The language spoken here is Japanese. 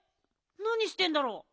なにしてんだろ？